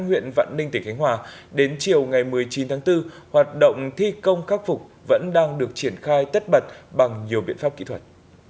huyện vạn ninh tỉnh khánh hòa đến chiều ngày một mươi chín tháng bốn hoạt động thi công khắc phục vẫn đang được triển khai tất bật bằng nhiều biện pháp kỹ thuật